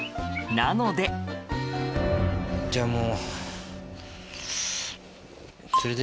なのでじゃあもう。